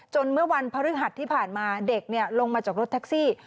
เมื่อวันพฤหัสที่ผ่านมาเด็กลงมาจากรถแท็กซี่